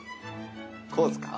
こうですか？